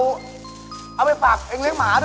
เอาไปปากเอ็งเลี้ยงหมาด้วยเหรอ